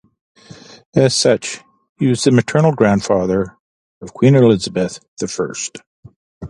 As such, he was the maternal grandfather of Queen Elizabeth the First.